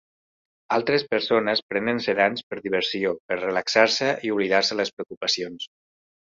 Altres persones prenen sedants per diversió per relaxar-se i oblidar les preocupacions.